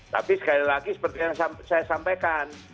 tapi sekali lagi seperti yang saya sampaikan